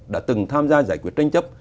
đã từng tham gia giải quyết tranh chấp